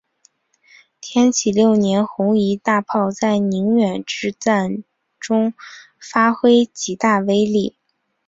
天启六年红夷大炮在宁远之战中发挥极大威力。